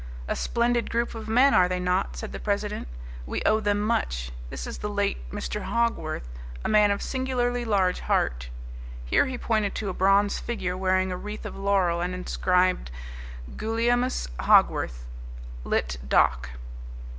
"A splendid group of men, are they not?" said the president. "We owe them much. This is the late Mr. Hogworth, a man of singularly large heart." Here he pointed to a bronze figure wearing a wreath of laurel and inscribed GULIEMUS HOGWORTH, LITT. DOC.